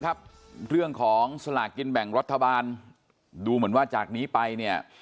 ครับเรื่องของสลากกินแบ่งรัฐบาลดูเหมือนว่าจากนี้ไปเนี่ย